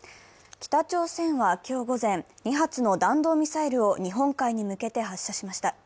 北朝鮮は今日午前、２発の弾道ミサイルを日本海に向けて発射しました。